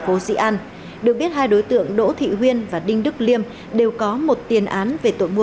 phố sĩ an được biết hai đối tượng đỗ thị huyên và đinh đức liêm đều có một tiền án về tội mua